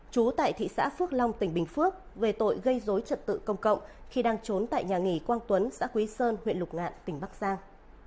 chú tại thị xã phước long tỉnh bình phước về tội gây dối trật tự công cộng khi đang trốn tại nhà nghỉ quang tuấn xã quý sơn huyện lục ngạn tỉnh bắc giang